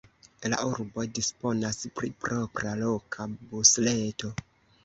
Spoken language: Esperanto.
La urbo disponas pri propra loka busreto.